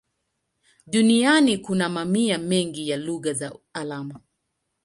Duniani kuna mamia mengi ya lugha za alama.